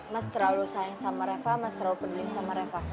mas terlalu sayang sama reva mas terlalu peduli sama reva